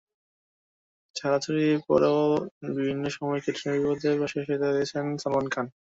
ছাড়াছাড়ির পরেও বিভিন্ন সময় ক্যাটরিনার বিপদে পাশে এসেও দাঁড়িয়েছেন সালমান খান।